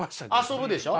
遊ぶでしょ。